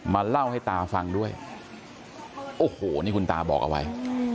เล่าให้ตาฟังด้วยโอ้โหนี่คุณตาบอกเอาไว้